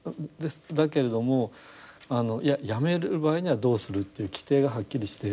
だけれどもやめる場合にはどうするという規定がはっきりしていると。